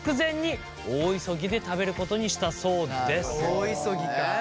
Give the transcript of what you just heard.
大急ぎか。